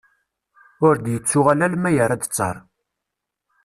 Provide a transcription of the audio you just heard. Ur d-yettuɣal alma yerra-d ttar